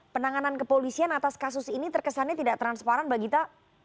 penanganan kepolisian atas kasus ini terkesannya tidak transparan mbak gita